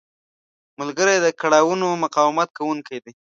ملګری د کړاوونو مقاومت کوونکی دی